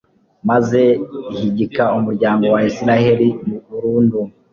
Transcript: maze ihigika umuryango wa israheli burundu